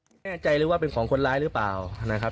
ไม่แน่ใจเลยว่าเป็นของคนร้ายหรือเปล่านะครับ